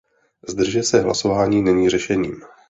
Zdržet se hlasování není řešením.